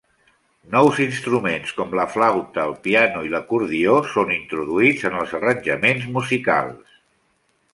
Nous instruments com la flauta, el piano i l'acordió són introduïts en els arranjaments musicals.